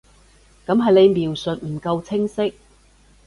噉係你描述唔夠清晰